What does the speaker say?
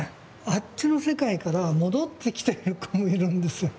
あっちの世界から戻ってきてる子もいるんですよ。